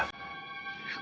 aku gak apa apa aku rk